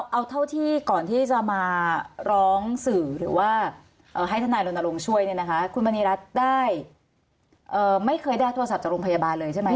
เอาเท่าที่ก่อนที่จะมาร้องสื่อหรือว่าให้ทนายรณรงค์ช่วยเนี่ยนะคะคุณมณีรัฐได้ไม่เคยได้โทรศัพท์จากโรงพยาบาลเลยใช่ไหม